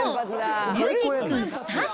ミュージックスタート。